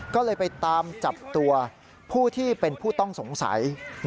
ก็เลยไปตามจับตัวผู้ที่เป็นผู้ต้องสงสัย